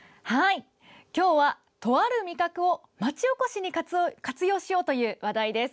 今日は、とある味覚を町おこしに活用しようという話題です。